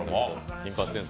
『金八先生』。